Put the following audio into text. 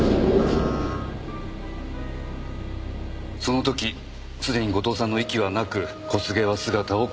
その時すでに後藤さんの息はなく小菅は姿を消していた。